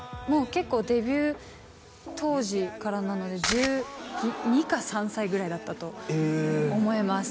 結構デビュー当時からなので１２か１３歳ぐらいだったと思います